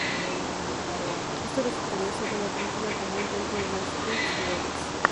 Esto resultaría ser una práctica común dentro de la Skunk Works.